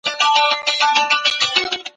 که نجونې لرغونپوهې وي نو اثار به نه ماتیږي.